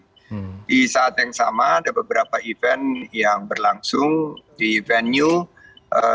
di saat yang sama ada beberapa event yang berlangsung di venue